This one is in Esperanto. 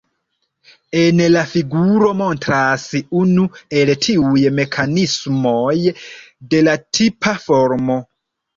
En la figuro montras unu el tiuj mekanismoj, de la tipa formo.